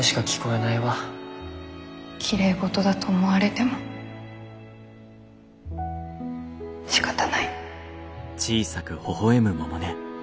きれいごとだと思われてもしかたない。